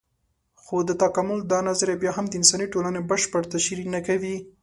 خو د تکامل دا نظر بيا هم د انساني ټولنې بشپړه تشرېح نه کوي.